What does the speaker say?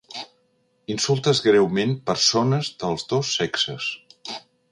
Insultes greument persones dels dos sexes.